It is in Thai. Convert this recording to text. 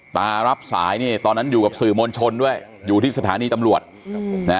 รับสายเนี่ยตอนนั้นอยู่กับสื่อมวลชนด้วยอยู่ที่สถานีตำรวจนะ